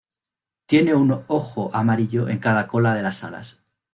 Tiene un "ojo" amarillo en cada cola de las alas.